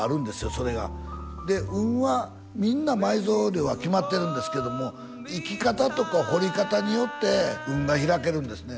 それがで運はみんな埋蔵量は決まってるんですけども生き方とか掘り方によって運が開けるんですね